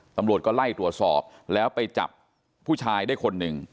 ตำรวจก็ไล่ตรวจสอบแล้วไปจับผู้ชายได้คนหนึ่ง